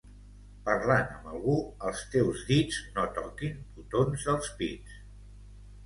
Parlant amb algú, els teus dits no toquin botons dels pits.